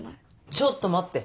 ちょっと待って！